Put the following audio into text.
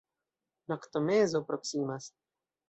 Noktomezo proksimas.